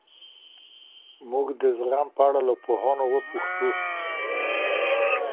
موږ د زغم په اړه له پوهانو وپوښهمېشهو.